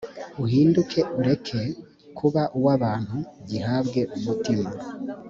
uhinduke ureke kuba uw abantu gihabwe umutima